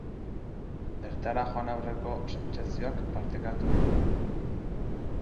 Bertara joan aurreko sentsazioak partekatu ditu.